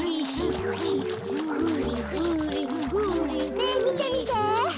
ねえみてみて。